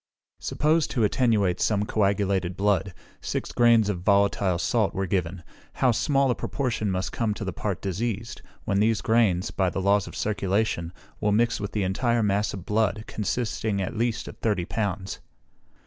Suppose to attenuate some coagulated blood, six grains of volatile salt were given, how small a proportion must come to the part diseased, when these grains, by the laws of circulation, will mix with the entire mass of blood, consisting at least of thirty pounds!